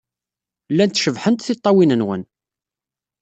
Llant cebḥent tiṭṭawin-nwen.